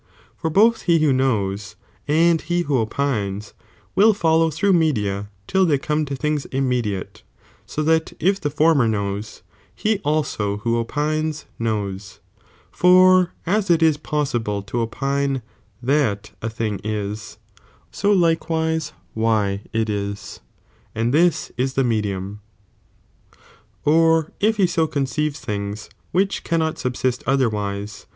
for both he who knows ¥^tu»idBsk and he who opines will follow through media till j^'H^i"'',"' theycome to things immediate, so that if the former u ioquitj knows, he also who opines knows. For as it J,pi^J^g is possible to opine that a thing is, so likewise patbruia icAy it is, and this is the medium. Or^ if be so ' ihl^.'siay." conceives things which cannot subsist otherwise, ^•?'